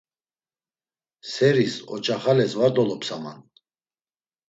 Seris oç̌axales var dolopsaman.